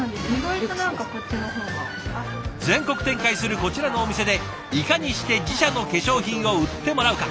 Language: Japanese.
全国展開するこちらのお店でいかにして自社の化粧品を売ってもらうか？